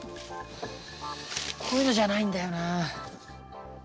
こういうのじゃないんだよな。